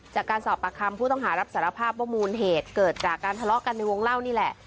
จากการสอบปากคำผู้ต้องหารับสารภาพว่ามูลเหตุเกิดจากการทะเลาะกันในวงเล่านี่แหละ